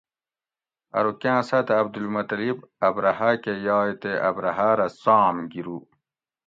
ارو کاۤں ساۤتہ عبدالمطلب ابرھہ کہ یائے تے ابرھہ رہ سام گِرو